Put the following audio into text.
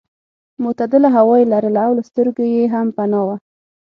معتدله هوا یې لرله او له سترګو یې هم پناه وه.